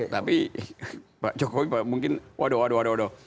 tapi pak jokowi mungkin waduh waduh waduh